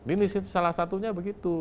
ini salah satunya begitu